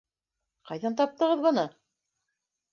— Кайҙан таптығыҙ быны?